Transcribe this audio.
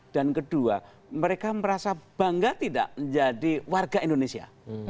dan kedua mereka merasa bangga tidak menjadi warga indonesia